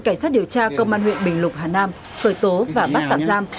cảnh sát điều tra công an huyện bình lục hà nam khởi tố và bắt tạm giam